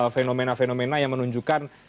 fenomena fenomena yang menunjukkan